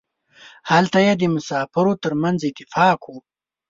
هلته یې د مسافرو ترمنځ اتفاق و.